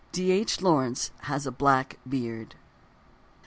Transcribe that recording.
D. H. Lawrence has a black beard.